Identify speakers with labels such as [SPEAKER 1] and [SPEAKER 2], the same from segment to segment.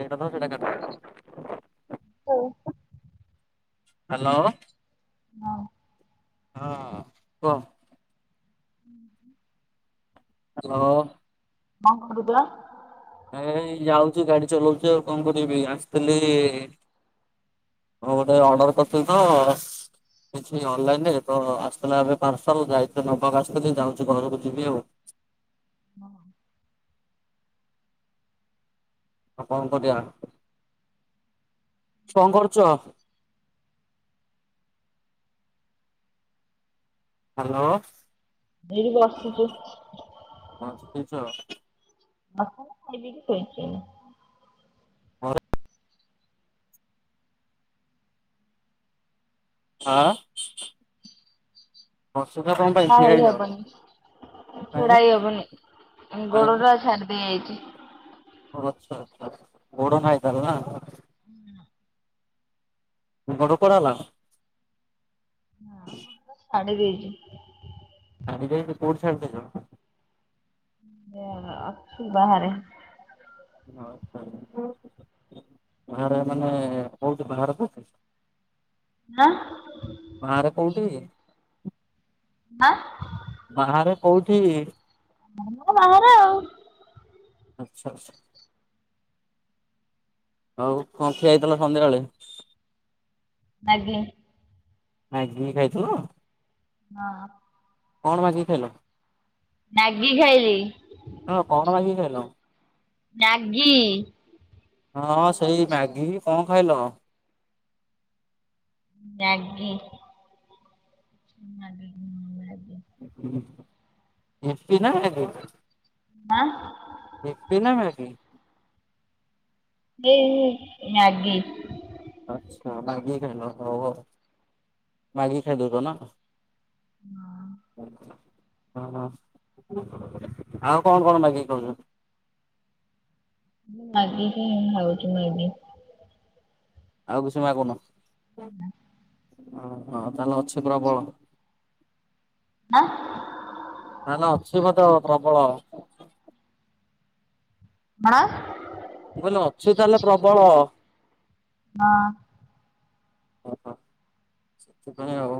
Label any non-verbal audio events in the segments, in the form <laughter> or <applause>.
[SPEAKER 1] ଟା ସ <unintelligible>
[SPEAKER 2] ହଉ
[SPEAKER 1] ହାଲୋ।
[SPEAKER 2] ହଉ <unintelligible>
[SPEAKER 1] ହଁ କୁହ।
[SPEAKER 2] ହୁଁ ହ
[SPEAKER 1] ହ୍ୟାଲୋ।
[SPEAKER 2] କ କରୁଛ?
[SPEAKER 1] ଏଇ ଯାଉଛି ଗାଡି ଚଲଉଛି ଆଉ କଣ କରିବି ଆସିଥିଲି ମୁଁ ଗୋଟେ ଅର୍ଡର କରିଥିଲି ତ କିଛି ଅନଲାଇନରେ ତ ଆସିଥିଲା ଏବେ ପାର୍ସଲ ଯାଇଥିଲେ ନବାକୁ ଆସିଥିଲି ଯାଉଛି ଘରକୁ ଯିବି ଆଉ।
[SPEAKER 2] ହଁ।
[SPEAKER 1] ଆଉ କଣ କରିବା ଆଉ କଣ କରୁଛ? ହ୍ୟାଲୋ।
[SPEAKER 2] ଏଇ ବସିଛି।
[SPEAKER 1] ବସିଛ
[SPEAKER 2] ମ ଖାଇ ଦେଇକି ଶୋଇଛି।
[SPEAKER 1] ମୋର ଆ ବସୁୁଛ କଣ ପାଇଁ ପାଇଁ
[SPEAKER 2] ନା
[SPEAKER 1] ଠିଆ
[SPEAKER 2] ହେଇ
[SPEAKER 1] ହେଇଯାଅ।
[SPEAKER 2] ହବନି ଛିଡା
[SPEAKER 1] କାଇଁ
[SPEAKER 2] ହେଇ ହବନି ଗୋଡଟା ଛାଡି ଦେଇ ଆଇଛି।
[SPEAKER 1] ଓ ଆଛା ଆଛା ଗୋଡ଼ ନାହିଁ ତାହେଲେ ନା।
[SPEAKER 2] ହୁଁ
[SPEAKER 1] ଗୋଡ଼ କୁଆଡେ଼ ଗଲା?
[SPEAKER 2] ହଁ ଛାଡ଼ି ଦେଇଛି।
[SPEAKER 1] ଛାଡ଼ିଦେଇଚ କୋଉଠି ଛାଡ଼ି ଦେଇଛ।
[SPEAKER 2] ଏ ଅଛୁ ବାହାରେ।
[SPEAKER 1] ବାହାରେ ମାନେ କୋଉଠି ବାହାରେ କୋଉଠି?
[SPEAKER 2] ଆଁ
[SPEAKER 1] ବାହାରେ କୋଉଠି?
[SPEAKER 2] ଆଁ।
[SPEAKER 1] ବାହାରେ କୋଉଠି?
[SPEAKER 2] ବାହାରେ ଆଉ।
[SPEAKER 1] ଆଚ୍ଛା ଆଚ୍ଛା। ହଉ କଣ ଖିଆ ହେଇଥିଲା ସନ୍ଧ୍ୟାବେଳେ?
[SPEAKER 2] ମ୍ୟାଗି।
[SPEAKER 1] ମାଗି କି ଖାଇଥିଲ?
[SPEAKER 2] ହଁ।
[SPEAKER 1] କଣ ମାଗିକି ଖାଇଲ?
[SPEAKER 2] ମ୍ୟାଗି
[SPEAKER 1] ହଁ କଣ
[SPEAKER 2] ଖାଇଲି।
[SPEAKER 1] ମାଗିକି ଖାଇଲ?
[SPEAKER 2] ମ୍ୟାଗି।
[SPEAKER 1] ହଁ ସେଇ ମାଗି କି କଣ ଖାଇଲ?
[SPEAKER 2] ମ୍ୟାଗି।
[SPEAKER 1] ଇପି ନା ମ୍ୟାଗି।
[SPEAKER 2] ଆଁ
[SPEAKER 1] ଏପି ନା ମ୍ୟାଗି।
[SPEAKER 2] ଏ ମ୍ୟାଗି।
[SPEAKER 1] ଆଛା ମାଗି କି ଖାଇଲ ହଉ ହଉ ମାଗି କି ଖାଇ ଦଉଚନା। ହୁଁ। ହ ହ ଆଉ କଣ କଣ ମାଗିକି ଖାଉଛ?
[SPEAKER 2] ମୁଁ ମାଗି କି ହିଁ ଖାଉଛି ମାଗି।
[SPEAKER 1] ଆଉ କିଛି ମାଗୁନ? ଅହ ତାହଲେ ଅଛି ପ୍ରବଳ।
[SPEAKER 2] ନା
[SPEAKER 1] ତାହେଲେ ଅଛି ବଧେ ପ୍ରବଳ।
[SPEAKER 2] କଣ?
[SPEAKER 1] ମୁଁ କହିଲି ଅଛି ତାହେଲେ ପ୍ରବଳ।
[SPEAKER 2] ହଁ।
[SPEAKER 1] ଓ ହୋ ସେଥିପାଇଁ ଆଉ।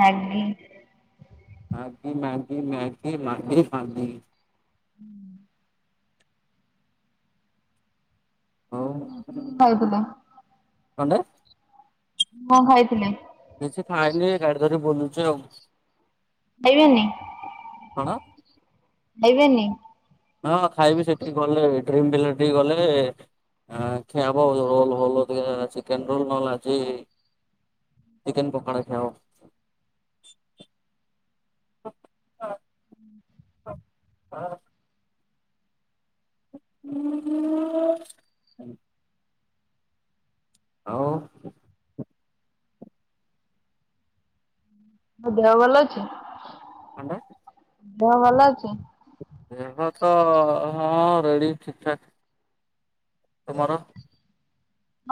[SPEAKER 2] ମ୍ୟାଗି
[SPEAKER 1] ମାଗି ମାଗି ମ୍ୟାଗି ମାଗି ମ୍ୟାଗି
[SPEAKER 2] ହୁଁ।
[SPEAKER 1] ହଉ।
[SPEAKER 2] ହୁଁ ହୁଁ ଖାଉଥିଲି
[SPEAKER 1] କଣ୍ଡେ
[SPEAKER 2] କଣ ଖାଇଥିଲେ?
[SPEAKER 1] କିଛି ଖାଇନି ଗାଡ଼ି ଧରି ବୁଲୁଛି ଆଉ।
[SPEAKER 2] ଖାଇବେନି
[SPEAKER 1] କଣ?
[SPEAKER 2] ଖାଇବେନି?
[SPEAKER 1] ହଁ ଖାଇବି ସେଠିକେ ଗଲେ ଡ୍ରିମ୍ ବିଲେ ଟିକେ ଗଲେ। ଆ ଖିଆବ ରୋଲ ଫୋଲ ଟିକେ ଚିକେନ ରୋଲ ନହେଲେ ଆଜି ଚିକେନ ପକଡା ଖିଆ ହେବ।
[SPEAKER 2] ହୁଁ।
[SPEAKER 1] ହ ହଁ <unintelligible> ଆଉ।
[SPEAKER 2] କ ଦେହ ଭଲ ଅଛି।
[SPEAKER 1] କଣ୍ଟେ
[SPEAKER 2] ଦେହ ଭଲ ଅଛି?
[SPEAKER 1] ଦେହ ତ ହଁ ରେଡି ଠିକଠାକ ତୁମର?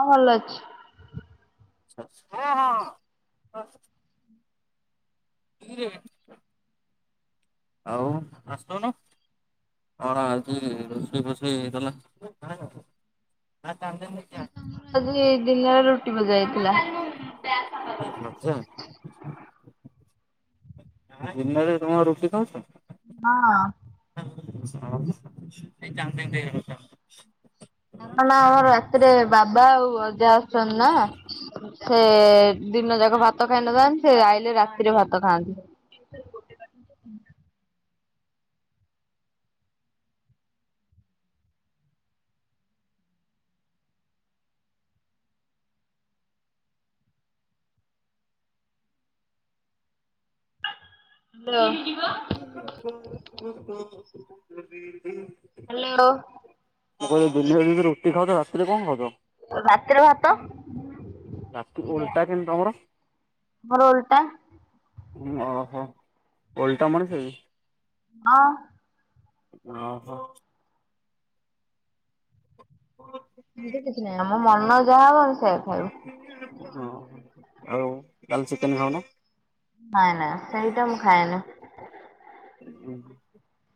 [SPEAKER 2] ହଁ ଭଲ ଅଛି।
[SPEAKER 1] ହଁ ହଁ। କୁଟି କିରେ ଆଉ ଆଶୁନୁ। କଣ ଆଜି ରୋଷେଇ ଫଷେଇ ହେଇଥିଲା?
[SPEAKER 2] <unintelligible> ଦିନରେ ରୁଟି ମଜଥିଲା।
[SPEAKER 1] ଆଚ୍ଛା ଦିନରେ ତମେ ରୁଟି ଖାଉଛ।
[SPEAKER 2] ହଁ।
[SPEAKER 1] <unintelligible>
[SPEAKER 2] କାରଣ ଆମର ରାତିରେ ବାବା ଆଉ ଅଜା ଅଶୁଛନ୍ତି ନା ସେ ଦିନ ଯାକ ଭାତ ଖାଇ ନଥାନ୍ତି ସେ ଆଇଲେ ରାତିରେ ଭାତ ଖାଆନ୍ତି।
[SPEAKER 1] ଆ
[SPEAKER 2] ହାଲୋ।
[SPEAKER 1] <inaudible>
[SPEAKER 2] ହାଲୋ।
[SPEAKER 1] ମୁଁ କହିଲେ ଦିନର ଯଦି ରୁଟି ଖାଉଛ ରାତିରେ କଣ ଖାଉଛ?
[SPEAKER 2] ରାତିରେ ଭାତ।
[SPEAKER 1] ରାତି ଓଲ୍ଟା କିମିତି ତମର
[SPEAKER 2] ମର ଓଲଟା।
[SPEAKER 1] ଓହୋ ଓଲଟା ମଣିସ କି?
[SPEAKER 2] ହଁ।
[SPEAKER 1] ଓହୋ।
[SPEAKER 2] ଏମିତି କିଛି ନାହିଁ ଆମ ମନ ଯାହା ହବ ଆମେ ସେଇଆ ଖାଇବୁ
[SPEAKER 1] ଓ ଆଉ କାଲି ଚିକେନ ଖାଉନ
[SPEAKER 2] ନାଇଁ ନାଇଁ ସେଇଟା ମୁ ଖାଇଏନି।
[SPEAKER 1] <inaudible>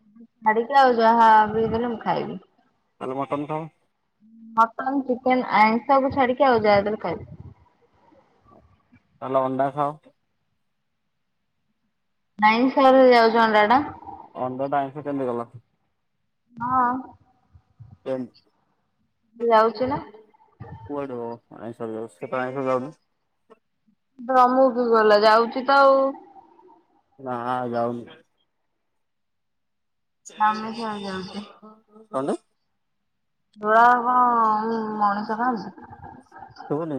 [SPEAKER 2] ଛାଡିକି ଆଉ ଯାହା ବି ଦେଲେ ମୁଁ ଖାଇବି।
[SPEAKER 1] ଚାଲ ମଟନ ଖାଓ।
[SPEAKER 2] ମଟନ ଚିକେନ ଆଇଁସ କୁ ଛାଡିକି ଆଉ ଯହାଦେଲେ ଖାଇବି।
[SPEAKER 1] ତାହାଲେ ଅଣ୍ଡା ଖାଅ।
[SPEAKER 2] ଆଇଁଷ ରେ ଯାଉଛି ଅଣ୍ଡାଟା।
[SPEAKER 1] ଅଣ୍ଡା ଟା ଆଇଁଷ କେମିତି ଗଲା?
[SPEAKER 2] ହଁ।
[SPEAKER 1] କେନ
[SPEAKER 2] ଯାଉଛି ନା।
[SPEAKER 1] <unintelligible> କୁଆଡ଼େ ମ ଆଇଁଷ ଯାଉ ସେତ ଆଇଁଷ ଖାଉନି
[SPEAKER 2] ରମୁ ବି ଗଲା ଯାଉଛି ତ ଆଉ
[SPEAKER 1] ହଁ ଯାଉନି
[SPEAKER 2] ଆମେ କଣ ଯାଉଛେ।
[SPEAKER 1] କଣ ନାଇ?
[SPEAKER 2] ପୁଅ
[SPEAKER 1] ଶୁଭୁନି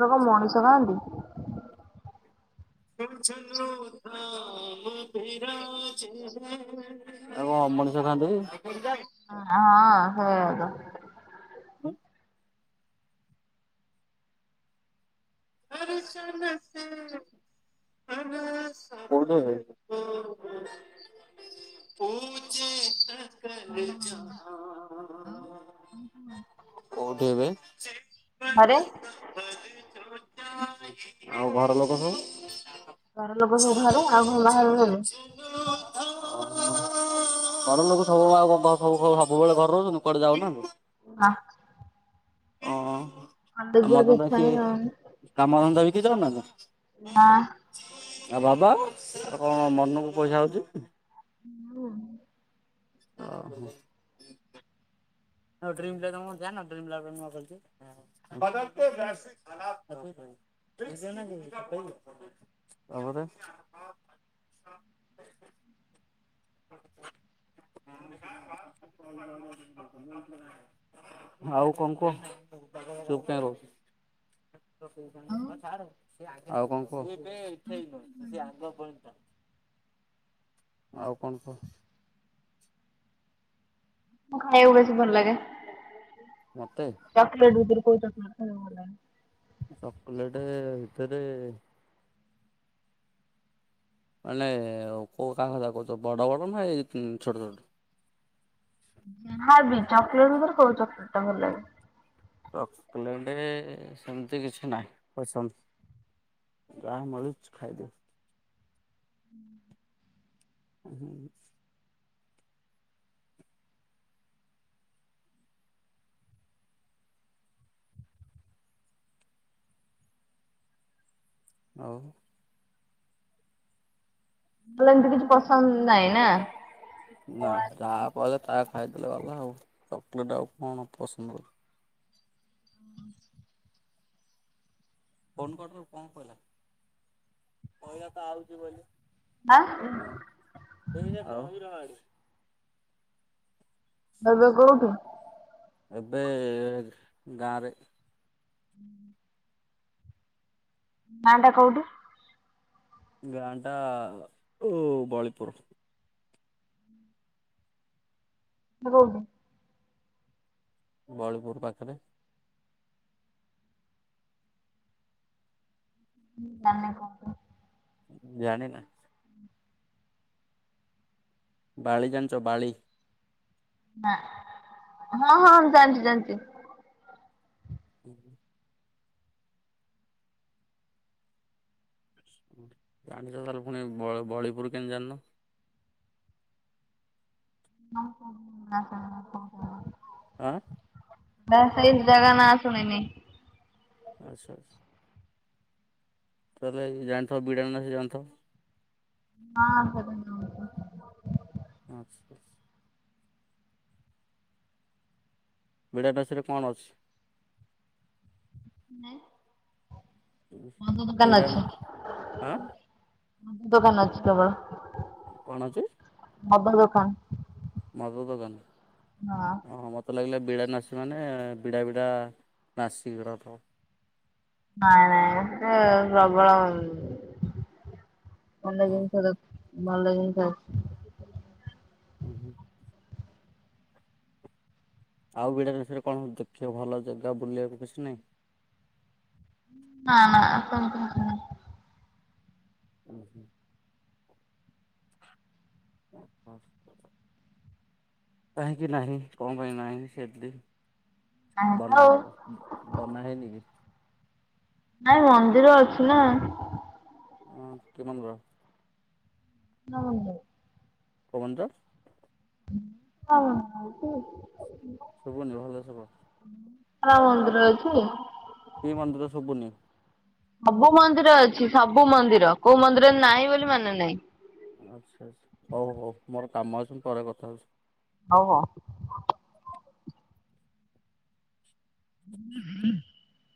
[SPEAKER 2] ଲୋକ ମଣିଷ କାହନ୍ତି?
[SPEAKER 1] ଆଉ କଣ? ମଣିଷ ଖାଆନ୍ତି?
[SPEAKER 2] ହ ହଁ ହଉଦ
[SPEAKER 1] <unintelligible> <inaudible> <inaudible> <unintelligible>
[SPEAKER 2] ହଁ କୁହ।
[SPEAKER 1] କୋଉଠି ଏବେ?
[SPEAKER 2] ଘରେ।
[SPEAKER 1] ଆଉ ଘର ଲୋକ ସବୁ?
[SPEAKER 2] ଘର ଲୋକ ସବୁ ଭଲ ଆଉ ଭଲ <unintelligible>
[SPEAKER 1] ଘର ଲୋକ ସବୁ ଆଉ କଣ <unintelligible> ସବୁ ସବୁବେଳେ ଘରେ ରହୁଚନ୍ତିୁ କୁଆଡେ ଯାଉନାହାନ୍ତି?
[SPEAKER 2] ହଁ। କଲେଜ ଯିବାକୁ
[SPEAKER 1] ଆମକୁ
[SPEAKER 2] ଇଚ୍ଛା
[SPEAKER 1] ବେଶୀ,
[SPEAKER 2] ହିଁ ହଉନି
[SPEAKER 1] କାମଧନ୍ଦା ବିକିଚ ନା କଣ ଆ ବାବା ଆ କଣ ମନକୁ ପଇସା ହଉଚି
[SPEAKER 2] ହଁ।
[SPEAKER 1] <inaudible> ଆଉ ଡ୍ରିମ୍ ଜାଗା ମୁଁ ଜାଣି ନଥିଲି ବ୍ଲକ୍ ରେ ନୂଆ ଖୋଲିଚି। <unintelligible> ତାପରେ <inaudible> ଆଉ କଣ କୁହ ଚୁପ୍ କାଇଁ ରହୁ
[SPEAKER 2] ନା।
[SPEAKER 1] ଆଉ କଣ କୁହ? <unintelligible> ଆଉ। କଣ କହ?
[SPEAKER 2] କଁ ଖାଇଆ କୁ ବେଶୀ ଭଲ ଲାଗେ?
[SPEAKER 1] ମତେ
[SPEAKER 2] ଚକଲେଟ୍ ଉବରେ କୋଉ ଚକଲେଟ୍ ଖାଇବାକୁ ଭଲ ଲାଗେ?
[SPEAKER 1] ଚକଲେଟେ ଭିତରେ ମାନେ କୋଉ କାମ କଥା କହୁଚ ବଡ ବଡ ନା ଏଇ ଉଁ ଛୋଟ ଛୋଟ?
[SPEAKER 2] ହଁ ଯେ ଚକଲେଟ ଭିତରେ କୋଉ ଚକଲେଟ ଟା ଭଲ ଲାଗେ
[SPEAKER 1] <unintelligible> ସେମିତି କିଛି ନାହିଁ ପସନ୍ଦ। ଗା ମୁରୁଚ ଖାଇଦେ। ଉଁ ହୁଁ। ଆଉ
[SPEAKER 2] ଭଲେ ଏମିତି କିଛି ପସନ୍ଦ ନାଇ ନା।
[SPEAKER 1] ନା ଯାହା କଇଲ ତା ଖାଇଦେଲେ ଗଲା ଆଉ ଚକୋଲେଟ ଆଉ କଣ ପସନ୍ଦ? ଫୋନ୍ କରଥିଲୁ କଁ କହିଲା? ଉଁ
[SPEAKER 2] ଆଁ
[SPEAKER 1] ଆଉ
[SPEAKER 2] ଭାବେ କୋଉଠୁ
[SPEAKER 1] ଏବେ ଗାଁରେ
[SPEAKER 2] ହୁଁ ନାଆ ଟା କଉଠୁ?
[SPEAKER 1] ଗାଁ ଟା ଉ ବଳୀପୁରୁ।
[SPEAKER 2] <unintelligible>
[SPEAKER 1] ବଳିପୁର ପାଖରେ।
[SPEAKER 2] ଉଁ ତମେ କୁଅ
[SPEAKER 1] ଜାଣେନା। ଡାଳି ଜାଣିଚ ବାଳି
[SPEAKER 2] ଆଁ ହଁ ହଁ ଜାଣିଚ ଜାଣିଚି।
[SPEAKER 1] ଉଁ ହୁଁ। ଉଁ ଜଣିଚ ତାଲେ ଫୁଣି ବ ବଳିପୁର କେନ୍ତି ଜାନ?
[SPEAKER 2] ନାଁ କଣ ନାଁ କଣ କହ।
[SPEAKER 1] ଆଁ?
[SPEAKER 2] ଦା ସେଇ ଜା ନା ସୁଣିନି।
[SPEAKER 1] ଆଚ୍ଛା। ତାହେଲେ ଜାଣିଥିବ ବିଡ଼ାନାସି ଜାଣିଥିବ?
[SPEAKER 2] ହଁ <unintelligible>
[SPEAKER 1] ଆଚ୍ଛା ବିଡ଼ାନାସିରେ କଣ ଅଛି?
[SPEAKER 2] ନାଇଁ
[SPEAKER 1] ଉ ପିଡ଼ା ହେଉନି ଆ
[SPEAKER 2] ଆମ ଦୋକାନ ରେ ଅଛି କେବଳ
[SPEAKER 1] କଣ ଅଛି?
[SPEAKER 2] ମଦ ଦୋକାନ
[SPEAKER 1] ମଦ ଦୋକାନ
[SPEAKER 2] ହଁ।
[SPEAKER 1] ଓହୋ ମତେ ଲାଗିଲା ବିଡ଼ାନାସି ମାନେ ବିଡ଼ା ବିଡ଼ା ନାଶିକର ଥବ
[SPEAKER 2] ନାଇଁ ନାାଇଁ ଏତେ ପ୍ରବଳ ଭଲ
[SPEAKER 1] ଓହୋ।
[SPEAKER 2] ଜିନିଷ ଦେଖ ଭଲ ଜିନିଷ ଅଛି।
[SPEAKER 1] ହୁଁ ହୁ। ଆଉ ବିଡାନାସି ରେ କଣ ଦେଖିବା ଭଲ ଜାଗା ବୁଲିବାକୁ କିଛି ନାହିଁ?
[SPEAKER 2] ନାଁ ନାଁ ଆପଣ କହୁଛନ୍ତି।
[SPEAKER 1] ହୁ ହୁ। <unintelligible> କାହିଁକି ନାହିଁ କଣ ପାଇଁ ନାହିଁ ସେଦି
[SPEAKER 2] ନାହିଁ ତ
[SPEAKER 1] ବନା
[SPEAKER 2] ଆଉ
[SPEAKER 1] ହବ ବନାହେଇନି କି?
[SPEAKER 2] ନାଇଁ ମନ୍ଦିର ଅଛି ନା
[SPEAKER 1] ଅ କି ମାମୁଁ ର
[SPEAKER 2] <unintelligible>
[SPEAKER 1] କୋଉ ବଞ୍ଚ?
[SPEAKER 2] ହଁ ହଉଛି
[SPEAKER 1] ଶୁଭୁନି ଭଲସେ କହ
[SPEAKER 2] ଆ ବନ୍ଦର ଅଛି।
[SPEAKER 1] କି ମନ୍ଦିର ସୁବୁନି
[SPEAKER 2] ସବୁ ମନ୍ଦିର ଅଛି ସବୁ ମନ୍ଦିର କୋଉ ମନ୍ଦିର ନାହିଁ ବୋଲି ମାନେ ନାହିଁ।
[SPEAKER 1] ଆଚ୍ଛା ଆଛା ହଉ ହଉ ମୋର କାମ ଅଛି ପରେ କଥା ହଉଛି।
[SPEAKER 2] ହଉ ହଉ। <unintelligible>